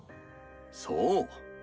そう。